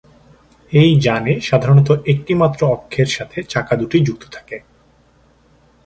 এই যানে সাধারণত একটি মাত্র অক্ষের সাথে চাকা দুটি যুক্ত থাকে।